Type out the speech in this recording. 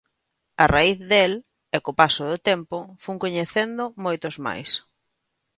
A raíz del, e co paso do tempo, fun coñecendo moitos máis.